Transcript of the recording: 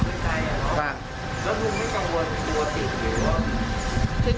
แล้วคุณไม่ต้องตัวติดหรือ